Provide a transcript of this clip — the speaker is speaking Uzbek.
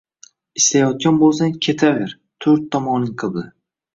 Istayotgan bo`lsang, ketaver, to`rt tomoning qibla